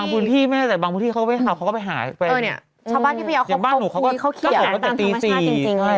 ประมาณตั้งความชาวแชวนมากจริง